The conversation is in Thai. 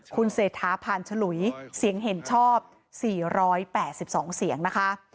คุณเศรษฐาผ่านฉลุยเสียงเห็นชอบ๔๘๒เสียงนะคะ